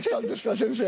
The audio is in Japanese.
先生。